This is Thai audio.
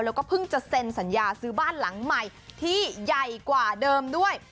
แล้วก็เพิ่งจะเซ็นสัญญาซื้อบ้านหลังใหม่ที่ใหญ่กว่าเดิมด้วย